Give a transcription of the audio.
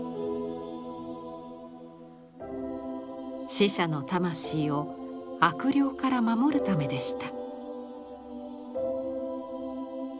死者の魂を悪霊から守るためでした。